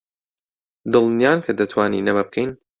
دڵنیان کە دەتوانین ئەمە بکەین؟